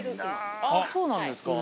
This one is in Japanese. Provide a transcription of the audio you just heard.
あっそうなんですか？